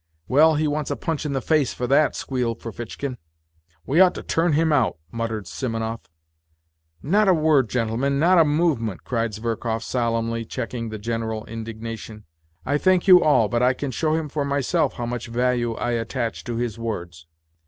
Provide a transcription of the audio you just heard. " Well, he wants a punch in the face for that," squealed Ferfitchkin. " We ought to turn him out," muttered Simonov. " Not a word, gentlemen, not a movement !" cried Zverkov solemnly, checking the general indignation. " I thank you all, but I can show him for myself how much value I attach to his words."